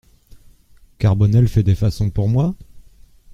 Carbonel fait des façons pour moi ?